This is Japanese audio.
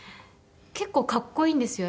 結構格好いいんですよ